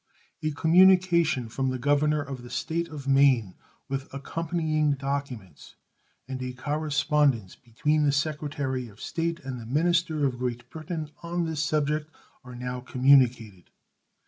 A communication from the governor of the State of Maine, with accompanying documents, and a correspondence between the Secretary of State and the minister of Great Britain on this subject are now communicated.